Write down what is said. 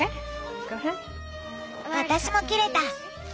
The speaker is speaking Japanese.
私も切れた！